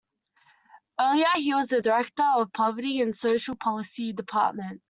Earlier, he was the director of Poverty and Social Policy Department.